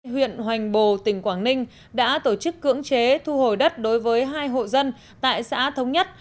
huyện hoành bồ tỉnh quảng ninh đã tổ chức cưỡng chế thu hồi đất đối với hai hộ dân tại xã thống nhất